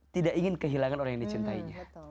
tidak ingin kehilangan orang yang dicintainya